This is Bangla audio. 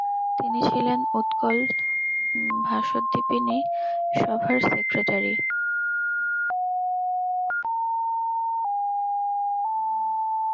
তিনি ছিলেন উৎকল ভাসোদ্দীপিনী সভার সেক্রেটারী।